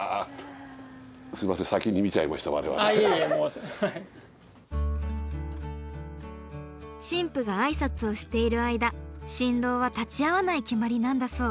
すいません新婦が挨拶をしている間新郎は立ち会わない決まりなんだそう。